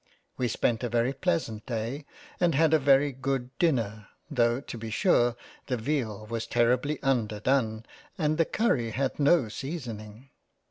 We spent a very pleasant Day, and had a very good Dinner, tho' to be sure the Veal was terribly underdone, and the Curry had no seasoning.